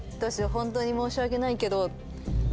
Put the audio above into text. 本当に申し訳ないけど。